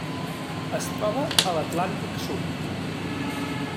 Es troba a l'Atlàntic sud.